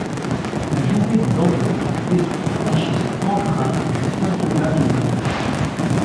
La journée du lendemain les troupes franchissent Antrain, puis Saint-Aubin d'Aubigné.